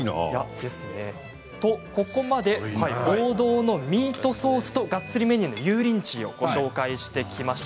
ここまで王道のミートソースとがっつりメニューの油淋鶏をご紹介してきました。